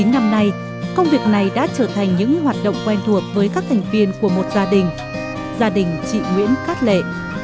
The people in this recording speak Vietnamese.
chín năm nay công việc này đã trở thành những hoạt động quen thuộc với các thành viên của một gia đình gia đình chị nguyễn cát lệ